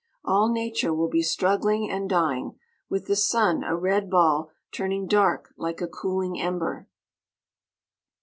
All nature will be struggling and dying, with the sun a red ball turning dark like a cooling ember.